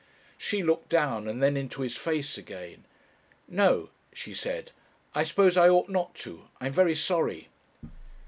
She looked down and then into his face again. "No," she said. "I suppose I ought not to. I'm very sorry."